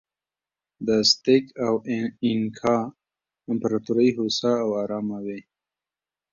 د ازتېک او اینکا امپراتورۍ هوسا او ارامه وې.